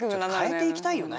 変えていきたいよね